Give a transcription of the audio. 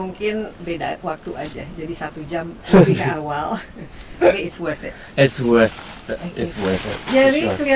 jangan lewatkan ini hiking ke pulau bawah reserve ini